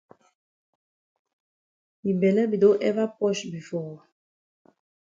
Yi bele be don ever posh before?